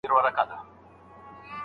هغه باید اوږده پاڼه ډنډ ته یوسي.